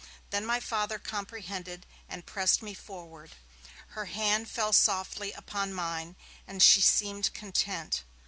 Then my Father comprehended, and pressed me forward; her hand fell softly upon mine and she seemed content.